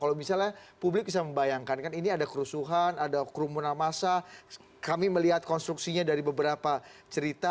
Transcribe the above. kalau misalnya publik bisa membayangkan kan ini ada kerusuhan ada kerumunan masa kami melihat konstruksinya dari beberapa cerita